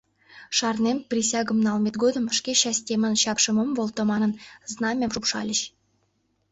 — Шарнем, присягым налмет годым, «шке частемын чапшым ом волто» манын, знамям шупшальыч.